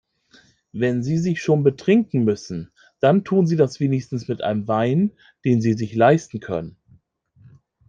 Wenn Sie sich schon betrinken müssen, dann tun Sie das wenigstens mit einem Wein, den Sie sich leisten können.